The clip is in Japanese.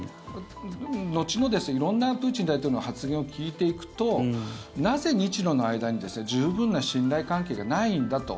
後の色んなプーチン大統領の発言を聞いていくとなぜ、日ロの間に十分な信頼関係がないんだと。